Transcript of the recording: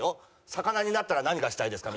魚になったら何がしたいですか？